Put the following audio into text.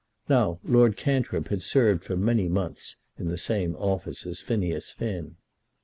Now Lord Cantrip had served for many months in the same office as Phineas Finn.